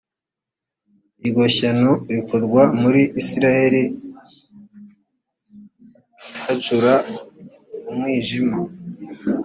iryo shyano rikorwa muri israheli hacura umwijima,